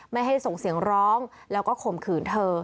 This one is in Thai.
ไม่ให้ส่งเสียงร้องแล้วก็ข่มขืนเธอ